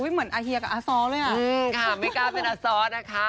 เหมือนอาเฮียกับอาซ้อลด้วยอะ